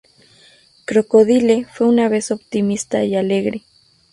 Crocodile fue una vez optimista y alegre.